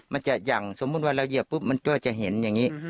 อย่างสมมุติว่าเราเหยียบปุ๊บมันก็จะเห็นอย่างนี้